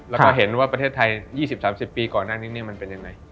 แล้วก็เห็นว่าประเทศไทย๒๐๓๐ปีก่อนหน้านี้มันเป็นยังไง